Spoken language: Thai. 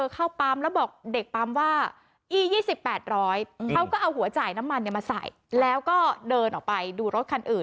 ก็เอาหัวจ่ายน้ำมันมาใส่แล้วก็เดินออกไปดูรถคันอื่น